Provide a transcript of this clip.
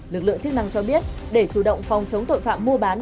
lực lượng chức năng cho biết để chủ động phòng chống tội phạm mua bán